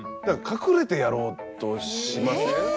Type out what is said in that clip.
だから隠れてやろうとしません？